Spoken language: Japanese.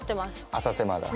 浅瀬まだ？